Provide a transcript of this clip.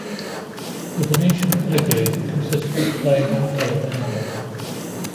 The Venetian filigree consists of plain and colored enamel.